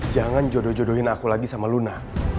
jangan jodoh jodohin aku lagi sama luna